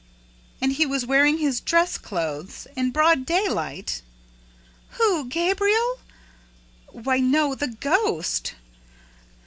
"And he was wearing his dress clothes, in broad daylight?" "Who? Gabriel?" "Why, no, the ghost!"